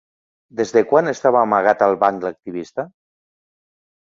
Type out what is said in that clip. Des de quan estava amagat al banc l'activista?